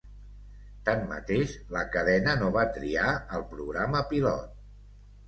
Tanmateix, la cadena no va triar el programa pilot.